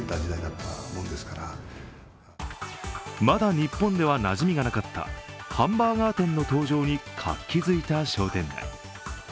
まだ日本ではなじみがなかったハンバーガー店の登場に活気づいた商店街。